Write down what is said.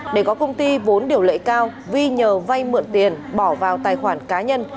để có công ty vốn điều lợi cao vi nhờ vai mượn tiền bỏ vào tài khoản cá nhân